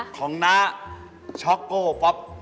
ของฮะช็อคโก้ป๊อบ